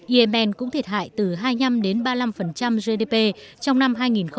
yemen cũng thiệt hại từ hai mươi năm đến ba mươi năm gdp trong năm hai nghìn một mươi năm